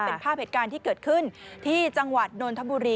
เป็นภาพเหตุการณ์ที่เกิดขึ้นที่จังหวัดนนทบุรี